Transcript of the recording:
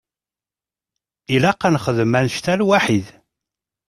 Ilaq ad nexdem annect-a lwaḥid.